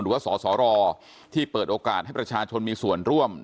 ว่าสสรที่เปิดโอกาสให้ประชาชนมีส่วนร่วม